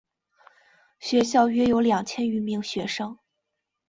学校约有两千余名学生。